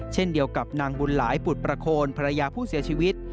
เช่นเดียวกับนางบุญหลายบุตรประโคนภรรยาผู้เสียชีวิต